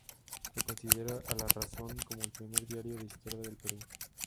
Se considera a "La Razón" como el primer diario de izquierda del Perú.